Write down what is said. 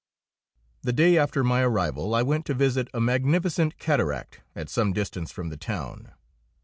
The day after my arrival I went to visit a magnificent cataract at some distance from the town.